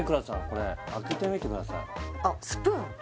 これ開けてみてくださいあっスプーン？